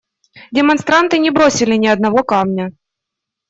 Демонстранты не бросили ни одного камня.